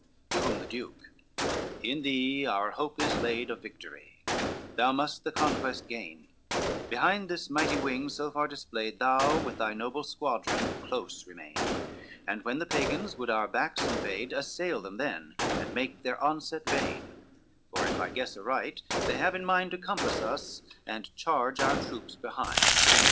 XI To whom the Duke, "In thee our hope is laid Of victory, thou must the conquest gain, Behind this mighty wing, so far displayed, Thou with thy noble squadron close remain; And when the Pagans would our backs invade, Assail them then, and make their onset vain; For if I guess aright, they have in mind To compass us, and charge our troops behind."